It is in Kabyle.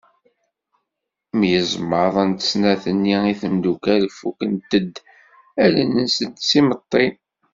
Myeẓmaḍent snat-nni n temdukal fukkent-d allen-nsent s yimeṭṭi.